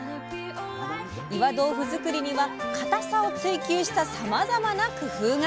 岩豆腐作りには固さを追求したさまざまな工夫が！